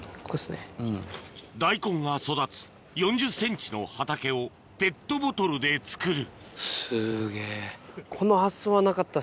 大根が育つ４０ｃｍの畑をペットボトルで作るすげぇ。